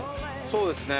そうですね。